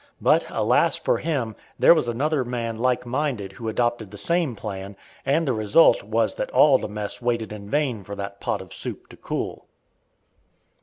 But, alas! for him, there was another man like minded who adopted the same plan, and the result was that all the mess waited in vain for that pot of soup to cool.